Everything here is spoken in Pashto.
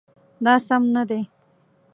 دا سم نه دی